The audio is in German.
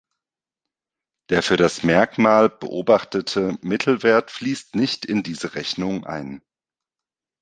Der für das Merkmal beobachtete Mittelwert fließt nicht in diese Rechnung ein.